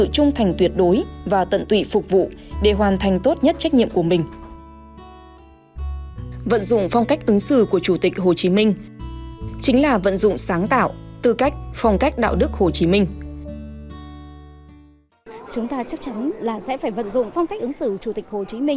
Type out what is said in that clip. chúng ta chắc chắn là sẽ phải vận dụng phong cách ứng xử chủ tịch hồ chí minh